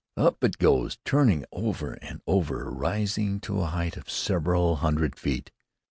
Up it goes, turning over and over, rising to a height of several hundred feet.